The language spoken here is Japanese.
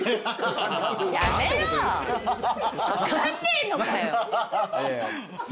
分かんねえのかよ！